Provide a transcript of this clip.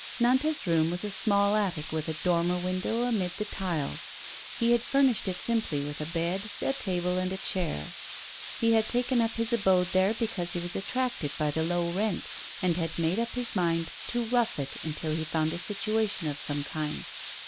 Nantas' room was a small attic, with a dormer win dow amid the tiles. He had furnished it simply with a bed, a table and a chair. He had taken up his abode there because he was attracted by the low rent, and had made up his mind to rough it until he found a situation of some kind.